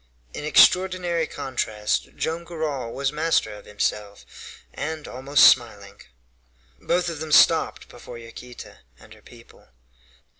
In extraordinary contrast, Joam Garral was master of himself, and almost smiling. Both of them stopped before Yaquita and her people.